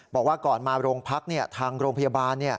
บอกว่าก่อนมาโรงพักทางโรงพยาบาล